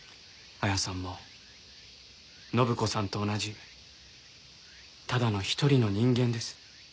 彩さんも展子さんと同じただの一人の人間です。